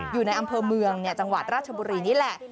อยู่ในอำเภอเมืองจังหวัดราชบุรีนี่แหละ